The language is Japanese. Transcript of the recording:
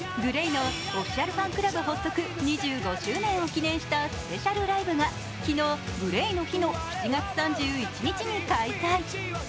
ＧＬＡＹのオフィシャルファンクラブ発足２５周年を記念したスペシャルライブが昨日、ＧＬＡＹの日の７月３１日に開催。